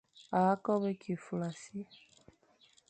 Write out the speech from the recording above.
A kobo kig fulassi.